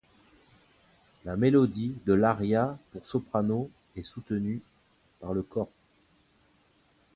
La mélodie de l'aria pour soprano est soutenue par le cor.